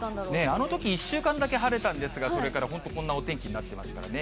あのとき１週間だけ晴れたんですが、それから本当、こんなお天気になってますからね。